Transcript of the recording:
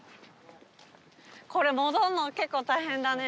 これ戻るの結構大変だね。